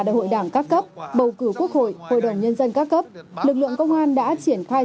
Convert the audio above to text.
đại hội đảng các cấp bầu cử quốc hội hội đồng nhân dân các cấp lực lượng công an đã triển khai